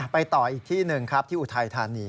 ต่ออีกที่หนึ่งครับที่อุทัยธานี